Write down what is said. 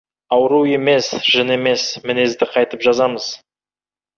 Ауру емес, жын емес, мінезді қайтіп жазамыз?